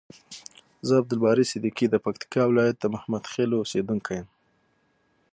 ز عبدالباری صدیقی د پکتیکا ولایت د محمدخیلو اوسیدونکی یم.